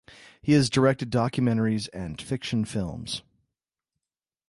He has directed documentaries and fiction films.